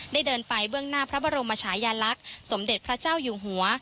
เดินไปเบื้องหน้าพระบรมชายาลักษณ์สมเด็จพระเจ้าอยู่หัว